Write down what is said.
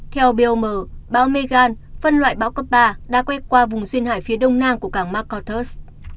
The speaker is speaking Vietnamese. theo bom bão megan phân loại bão cấp ba đã quét qua vùng xuyên hải phía đông nang của cảng makartos